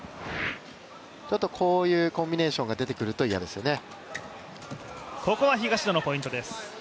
ちょっと、こういうコンビネーションが出てくるといやですよね。